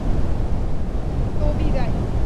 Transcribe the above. তো, বিদায়!